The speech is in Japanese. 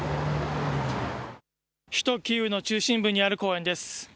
首都キーウの中心部にある公園です。